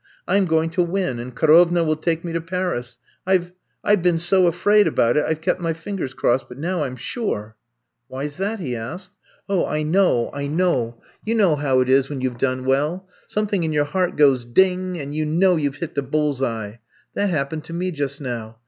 I 'm going to wiq and Karovna will take me to Paris. I We — I We been so afraid about it I We kept my fingers crossed but now I 'm sure. '* *^Why 's that f*' he asked. *'0h, I know — I know. You know how it is when you Ve done well. Something in your heart goes— ding! and you know you Ve hit the bulPs eye. That happened to me just now.